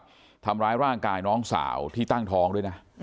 การที่ต้องมีความร้ายร่างกายน้องสาวที่ตั้งท้องด้วยนะ